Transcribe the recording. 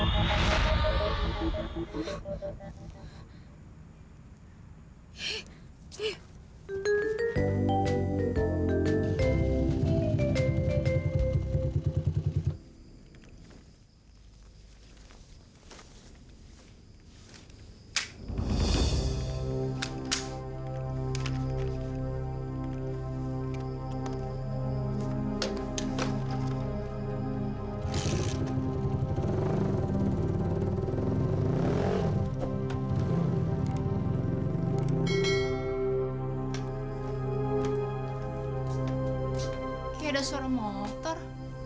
tidak ada suara motor